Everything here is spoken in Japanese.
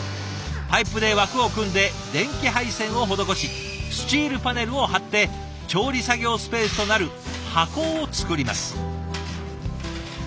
パイプで枠を組んで電気配線を施しスチールパネルを張って調理作業スペースとなる箱を作ります。